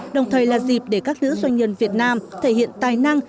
đồng thời là dịp để các nữ doanh nhân việt nam thể hiện tài năng